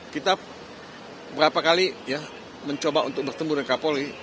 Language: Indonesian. kita berapa kali mencoba untuk bertemu dengan kapolri